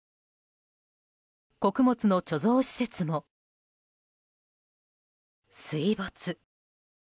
穀物の貯蔵施設も水没。